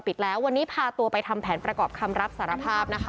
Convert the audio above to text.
ปิดแล้ววันนี้พาตัวไปทำแผนประกอบคำรับสารภาพนะคะ